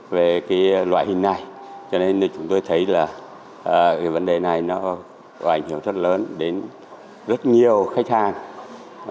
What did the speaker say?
về cái loại hình này cho nên chúng tôi thấy là cái vấn đề này nó có ảnh hưởng rất lớn đến rất nhiều khách hàng